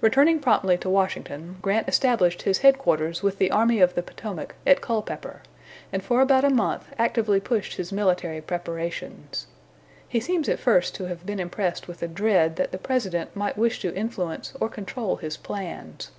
Returning promptly to Washington, Grant established his headquarters with the Army of the Potomac, at Culpepper, and for about a month actively pushed his military preparations. He seems at first to have been impressed with a dread that the President might wish to influence or control his plans.